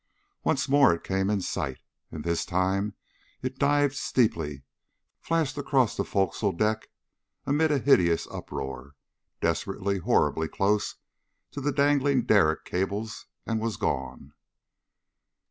Once more it came in sight, and this time it dived steeply, flashed across the forecastle deck amid a hideous uproar, desperately, horribly close to the dangling derrick cables, and was gone.